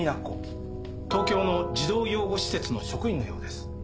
東京の児童養護施設の職員のようです。